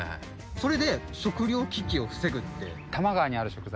それで食糧危機を防ぐって。